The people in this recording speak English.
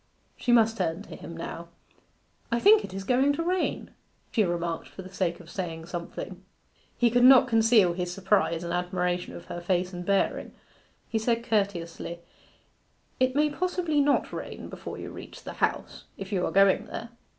She must turn to him now. 'I think it is going to rain,' she remarked for the sake of saying something. He could not conceal his surprise and admiration of her face and bearing. He said courteously, 'It may possibly not rain before you reach the House, if you are going there?